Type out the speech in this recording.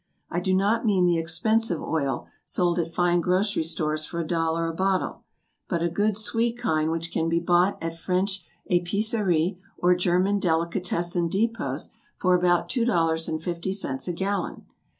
I do not mean the expensive oil, sold at fine grocery stores for a dollar a bottle, but a good sweet kind which can be bought at French Épicerie or German Delicatessen depots for about two dollars and fifty cents a gallon.